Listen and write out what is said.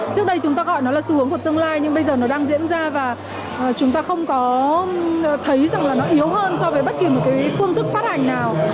trước đây chúng ta gọi nó là xu hướng của tương lai nhưng bây giờ nó đang diễn ra và chúng ta không có thấy rằng là nó yếu hơn so với bất kỳ một cái phương thức phát hành nào